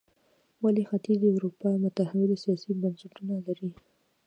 ولې ختیځې اروپا متحول سیاسي بنسټونه لرل.